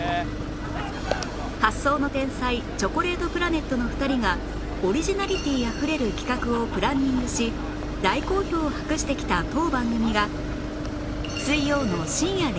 発想の天才チョコレートプラネットの２人がオリジナリティーあふれる企画をプランニングし大好評を博してきた当番組が